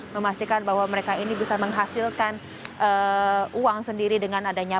memastikan bahwa mereka ini bisa menghasilkan uang sendiri dengan adanya